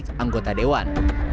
kode etik anggota dewan